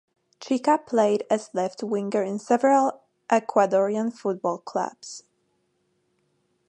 Chica played as left winger in several Ecuadorian football clubs.